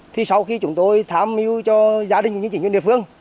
thì sau khi chúng tôi thám mưu cho gia đình của địa phương